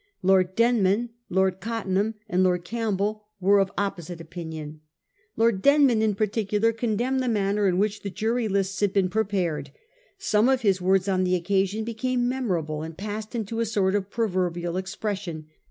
Lord Deiiman, Lord Cottenham, and Lord Campbell were of the oppo site opinion. Lord Denman, in particular, condemned the manner in which the jury lists had been prepared. Some of his words on the occasion became memorable, and passed into a sort of proverbial expression.